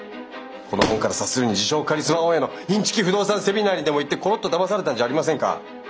この本から察するに自称カリスマ大家のインチキ不動産セミナーにでも行ってコロッとだまされたんじゃありませんか？